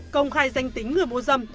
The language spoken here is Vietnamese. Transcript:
công khai danh tính người mua dâm